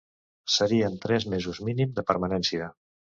Serien tres mesos mínim de permanència.